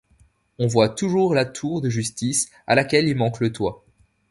On voit toujours la tour de justice, à laquelle il manque le toit.